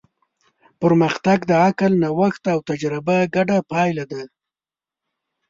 پرمختګ د عقل، نوښت او تجربه ګډه پایله ده.